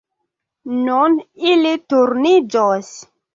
Nun ili turniĝos.